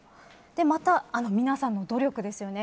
また、皆さんの努力ですよね。